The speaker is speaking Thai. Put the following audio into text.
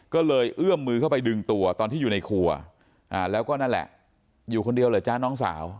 ก็เลยเอื้อมมือเข้าไปดึงตัวตอนที่อยู่ในครัวแล้วก็นั่นแหละอยู่คนเดียวเหรอจ๊ะน้องสาว